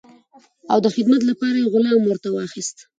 او د خدمت لپاره یې غلام ورته واخیست.